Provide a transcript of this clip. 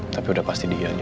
tapi udah pasti dianya